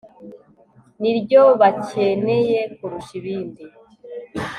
ni ryo bakeneye kurusha ibindi